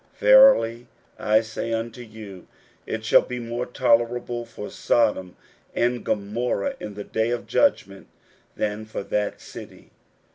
Verily I say unto you, It shall be more tolerable for Sodom and Gomorrha in the day of judgment, than for that city.